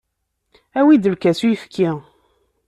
Awi-d lkas n uyefki.